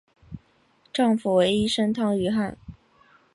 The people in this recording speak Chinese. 丈夫为医生汤于翰。